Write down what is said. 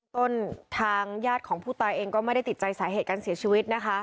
ทางญาติของผู้ตายเองก็ไม่ได้ติดใจสาเหตุการเสียชีวิตนะคะ